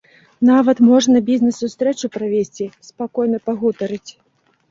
Нават можна бізнес-сустрэчу правесці, спакойна пагутарыць.